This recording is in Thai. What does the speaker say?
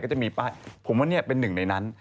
จะมีป้ายผมว่าเนี่ยเป็นหนึ่งในนั้น